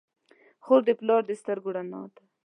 خور د پلار د سترګو رڼا ده.